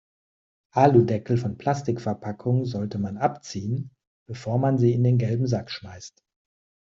Aludeckel von Plastikverpackungen sollte man abziehen, bevor man sie in den gelben Sack schmeißt.